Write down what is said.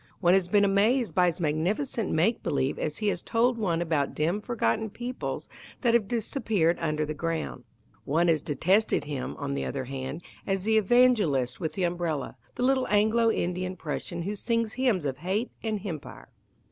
One has been amazed by his magnificent make believe as he has told one about dim forgotten peoples that have disappeared under the ground. One has detested him, on the other hand, as the evangelist with the umbrella the little Anglo Indian Prussian who sing hymns of hate and Hempire.